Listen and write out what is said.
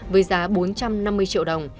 với giá bốn trăm năm mươi triệu đồng